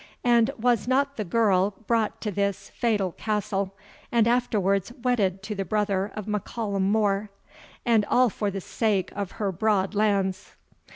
and was not the girl brought to this fatal castle, and afterwards wedded to the brother of M'Callum More, and all for the sake of her broad lands?"